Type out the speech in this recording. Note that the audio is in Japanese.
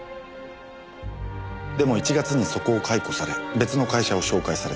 でも１月にそこを解雇され別の会社を紹介された。